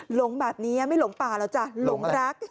หลงแบบนี้ไม่หลงป่าแล้วจ้ะหลงรัก